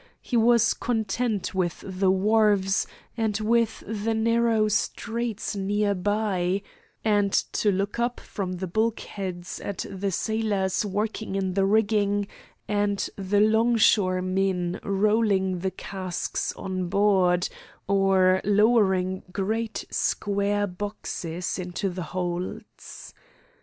He was content with the wharves and with the narrow streets near by, and to look up from the bulkheads at the sailors working in the rigging, and the 'long shoremen rolling the casks on board, or lowering great square boxes into the holds.